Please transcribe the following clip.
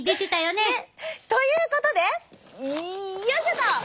ねっ！ということでよいしょっと！